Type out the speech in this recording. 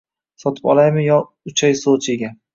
Sotib olaymi yo uchay Sochiga?»